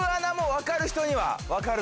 分かる人には分かる。